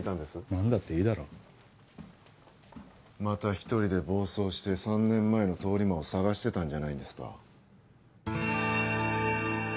何だっていいだろまた一人で暴走して３年前の通り魔を捜してたんじゃないんですか？